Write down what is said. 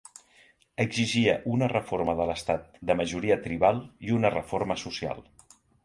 Exigia una reforma de l'estat de majoria tribal i una reforma social.